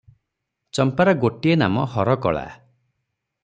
ଚମ୍ପାର ଗୋଟିଏ ନାମ ହରକଳା ।